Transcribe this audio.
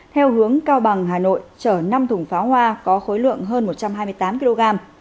theo hướng cao bằng hà nội chở năm thùng pháo hoa có khối lượng hơn một trăm hai mươi tám kg